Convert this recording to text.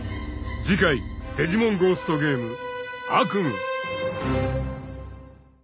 ［次回『デジモンゴーストゲーム』］